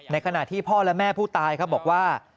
ขณะที่พ่อและแม่ผู้ตายครับบอกว่า